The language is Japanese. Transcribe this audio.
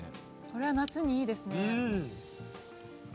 これは夏にいいですね。